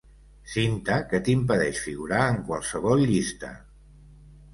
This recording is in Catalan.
Cinta que t'impedeix figurar en qualsevol llista.